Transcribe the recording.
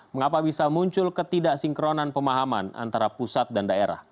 mengapa bisa muncul ketidaksinkronan pemahaman antara pusat dan daerah